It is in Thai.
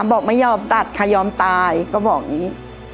บอกไม่ยอมตัดค่ะยอมตายก็บอกอย่างนี้